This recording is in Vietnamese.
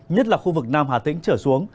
nhất là khu vực nam hà tĩnh trở xuống